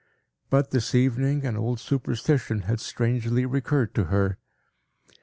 But, this evening, an old superstition had strangely recurred to her.